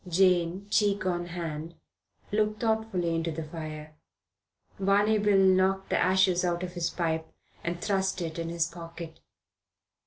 Jane, cheek on hand, looked thoughtfully into the fire. Barney Bill knocked' the ashes out of his pipe and thrust it in his pocket.